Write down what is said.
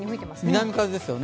南風ですよね。